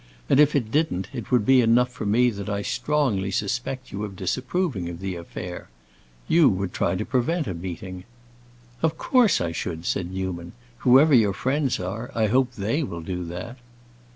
And if it didn't, it would be enough for me that I strongly suspect you of disapproving of the affair. You would try to prevent a meeting." "Of course I should," said Newman. "Whoever your friends are, I hope they will do that."